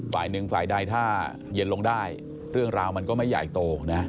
ฝ่ายหนึ่งฝ่ายใดถ้าเย็นลงได้เรื่องราวมันก็ไม่ใหญ่โตนะ